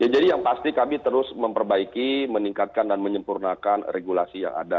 jadi yang pasti kami terus memperbaiki meningkatkan dan menyempurnakan regulasi yang ada